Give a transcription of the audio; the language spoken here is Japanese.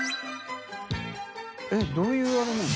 ┐どういうあれなの？